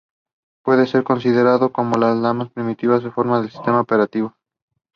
She went to Heliopolis Primary School and the Princess Fawzia Secondary School.